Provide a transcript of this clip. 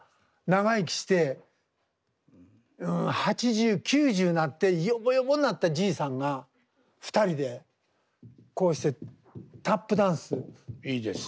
長生きして８０９０になってヨボヨボになったじいさんが２人でこうしてタップダンス踏みたいんです。